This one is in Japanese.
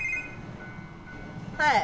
はい。